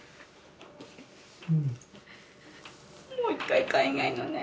もう一回海外のね